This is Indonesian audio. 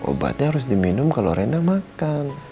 obatnya harus diminum kalau renda makan